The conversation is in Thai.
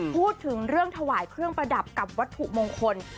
พูดถึงเรื่องถวายเครื่องประดับกับวัตถุมงคล